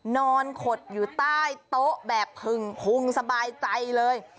ขดอยู่ใต้โต๊ะแบบผึ่งพุงสบายใจเลย